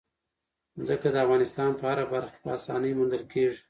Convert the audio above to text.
ځمکه د افغانستان په هره برخه کې په اسانۍ موندل کېږي.